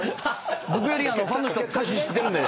僕よりファンの人の方が歌詞知ってるんで。